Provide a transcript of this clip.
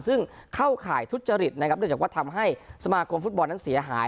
ซึ่งเข้าข่ายทุจริตนะครับเนื่องจากว่าทำให้สมาคมฟุตบอลนั้นเสียหาย